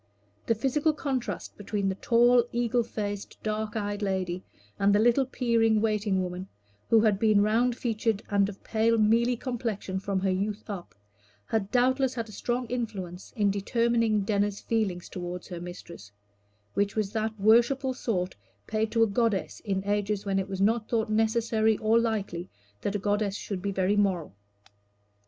The physical contrast between the tall, eagle faced, dark eyed lady, and the little peering waiting woman, who had been round featured and of pale mealy complexion from her youth up, had doubtless had a strong influence in determining Denner's feeling toward her mistress, which was of that worshipful sort paid to a goddess in ages when it was not thought necessary or likely that a goddess should be very moral.